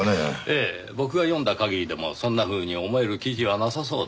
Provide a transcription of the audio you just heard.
ええ僕が読んだ限りでもそんなふうに思える記事はなさそうでした。